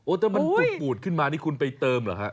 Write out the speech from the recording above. โอ้แต่มันปูดขึ้นมานี่คุณไปเติมหรือครับ